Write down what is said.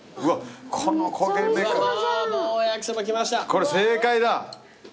これ正解だ。